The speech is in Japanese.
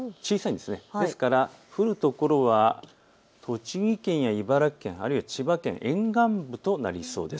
ですから降る所は栃木県や茨城県、あるいは千葉県の沿岸部となりそうです。